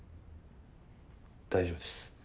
大丈夫です。